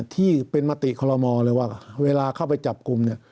ที่เป็นมติข้อละมอบเลยว่าเวลาเข้าไปจับกลุ่ม